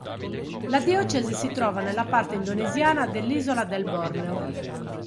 La diocesi si trova nella parte indonesiana dell'isola del Borneo.